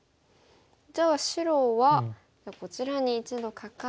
じゃあ白はこちらに一度カカって。